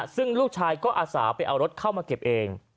ซึ่งลูกชายก็อาสาไปเอารถเข้ามาเก็บเอง